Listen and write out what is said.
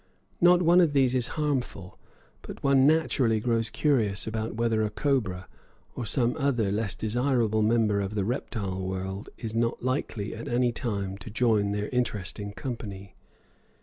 Not one of these is harmful, but one naturally grows curious about whether a cobra or some other less desirable member of the reptile world is not likely at any time to join their interesting company.